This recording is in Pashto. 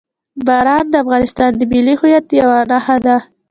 باران د افغانستان د ملي هویت یوه نښه ده.